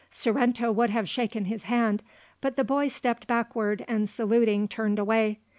Sorrento would have shaken his hand, but the boy stepped backward and saluting turned away.